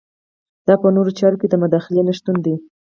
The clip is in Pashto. دا په نورو چارو کې د مداخلې نشتون دی.